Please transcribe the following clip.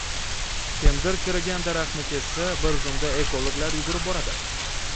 Kimdir chirigan daraxtni kessa, bir zumda ekologlar yugurib boradi?